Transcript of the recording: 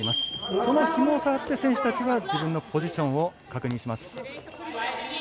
そのひもを触って選手たちは自分のポジションを確認します。